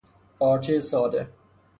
پارچهی ساده